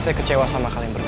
saya kecewa sama kalian berdua